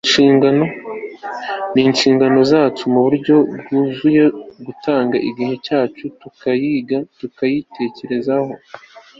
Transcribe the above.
ni inshingano yacu mu buryo bwuzuye gutanga igihe cyacu tukayiga tuyatekerezaho